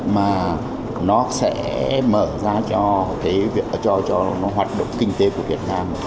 mà nó sẽ mở ra cho hoạt động kinh tế của việt nam